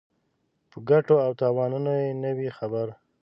په ګټو او تاوانونو یې نه وي خبر.